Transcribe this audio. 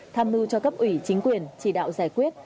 tham mưu cho cấp ủy chính quyền chỉ đạo giải quyết